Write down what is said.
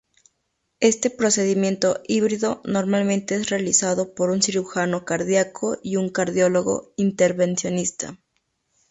Este procedimiento híbrido normalmente es realizado por un cirujano cardíaco y un cardiólogo intervencionista.